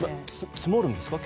積もるんですか？